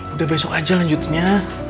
udah besok aja lanjutnya